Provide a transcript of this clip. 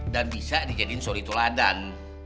dan bisa dijadiin solituladan